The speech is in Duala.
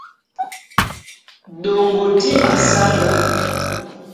Ɗoŋgo dí masáŋga.